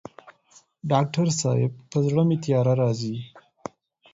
ډاکټر صاحب په زړه مي تیاره راځي